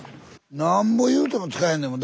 なんぼ言うても着かへんねんもん。